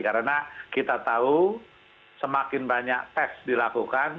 karena kita tahu semakin banyak tes dilakukan